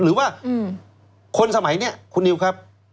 หรือว่าคนสมัยนี้คุณนิวครับ